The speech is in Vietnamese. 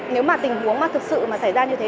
nếu mà tình huống mà thực sự mà xảy ra như thế